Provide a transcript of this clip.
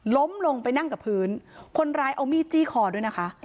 ล้มลงไปนั่งกับพื้นคนร้ายเอามีดจี้คอด้วยนะคะ